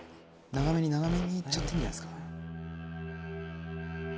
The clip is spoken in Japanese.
長めに長めに行っちゃっていいんじゃないですか。